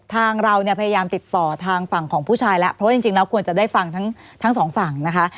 เราเนี่ยพยายามติดต่อทางฝั่งของผู้ชายแล้วเพราะว่าจริงแล้วควรจะได้ฟังทั้งสองฝั่งนะคะ